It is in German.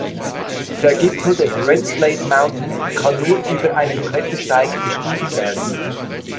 Der Gipfel des Red Slate Mountain kann nur über einen Klettersteig bestiegen werden.